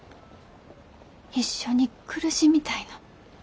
一緒に苦しみたいの。